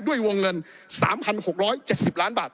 วงเงิน๓๖๗๐ล้านบาท